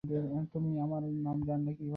তুমি আমার নাম জানলে কিভাবে?